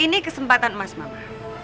ini kesempatan emas mama